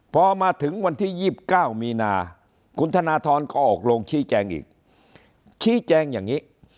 พอมาถึงวันที่๒๙มีนาคุณธนทรก็ออกลงชี้แจงอีกชี้แจงอย่างนี้